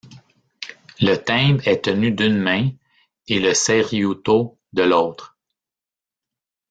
Le Timbe est tenu d'une main, et le Seiryuto de l'autre.